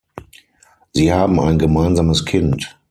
Sie haben ein gemeinsames Kind.